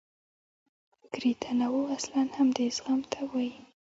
فکري تنوع اصلاً همدې زغم ته وایي.